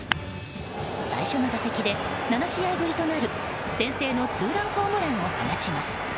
最初の打席で７試合ぶりとなる先制のツーランホームランを放ちます。